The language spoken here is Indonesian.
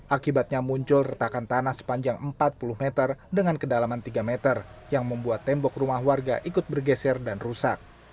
akibatnya muncul retakan tanah sepanjang empat puluh meter dengan kedalaman tiga meter yang membuat tembok rumah warga ikut bergeser dan rusak